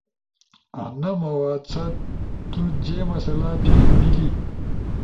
انا مواد ست تو جے مسئلہ پیخ بیلی؟